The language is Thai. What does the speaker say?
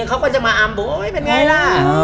เขาก็จะมาอำบุ้ยเป็นไงละ